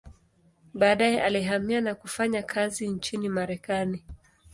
Baadaye alihamia na kufanya kazi nchini Marekani.